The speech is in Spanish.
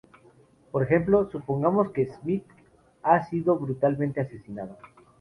Por ejemplo, supongamos que Smith ha sido brutalmente asesinado.